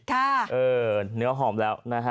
เออเนื้อหอมแล้วนะฮะ